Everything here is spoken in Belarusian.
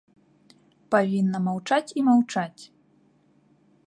Павінна маўчаць і маўчаць.